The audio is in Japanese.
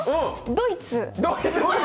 ドイツ？